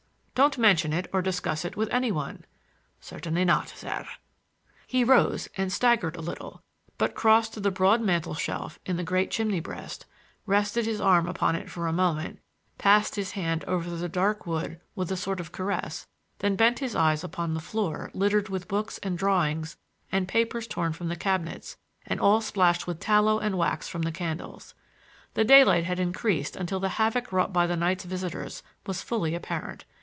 Don't mention it or discuss it with any one." "Certainly not, sir." He rose, and staggered a little, but crossed to the broad mantel shelf in the great chimney breast, rested his arm upon it for a moment, passed his hand over the dark wood with a sort of caress, then bent his eyes upon the floor littered with books and drawings and papers torn from the cabinets and all splashed with tallow and wax from the candles. The daylight had increased until the havoc wrought by the night's visitors was fully apparent.